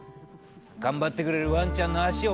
頑張ってくれるワンちゃんの足をマッサージだ。